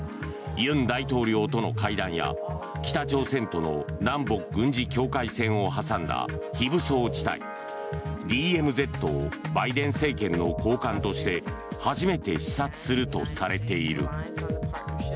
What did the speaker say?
尹大統領との会談や、北朝鮮との南北軍事境界線を挟んだ非武装地帯・ＤＭＺをバイデン政権の高官として初めて視察するとされている。